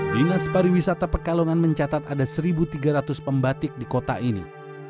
dinas pariwisata pekalongan mencatat ada satu tiga ratus pembatik di kota ini